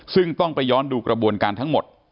ซึ่งต้องไปย้อนดูกระบวนการทั้งหมด